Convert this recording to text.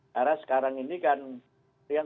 karena sekarang ini kan